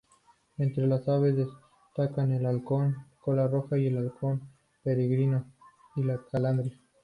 Entre las aves destacan el halcón cola roja, el halcón peregrino y la calandria.